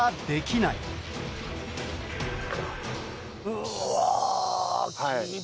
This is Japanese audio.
・うわ。